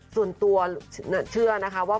ส่วนตัวเชื่อนะคะว่า